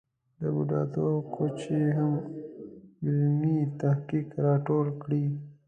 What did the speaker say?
د بوډاتوب کوچ یې هم علمي تحقیق را ټول کړی.